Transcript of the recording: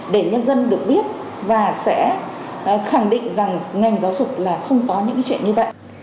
để nhân dân được biết và sẽ khẳng định rằng ngành giáo dục là không có những cái chuyện như vậy